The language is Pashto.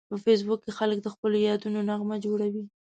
په فېسبوک کې خلک د خپلو یادونو نغمه جوړوي